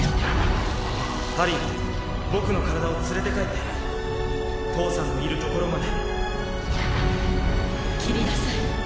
ハリー僕の体を連れて帰って父さんのいるところまで切りなさい